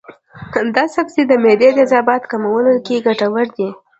دا سبزی د معدې د تیزابیت کمولو کې ګټور دی.